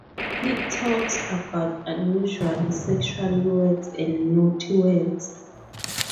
He talks about unusual sexual words and naughty words.